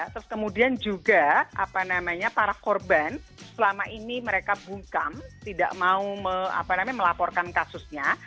terus kemudian juga para korban selama ini mereka bungkam tidak mau melaporkan kasusnya